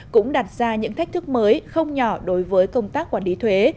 cũng đặt ra những thách thức mới không nhỏ đối với công tác quản lý thuế